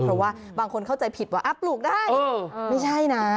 เพราะว่าบางคนเข้าใจผิดว่าปลูกได้ไม่ใช่นะ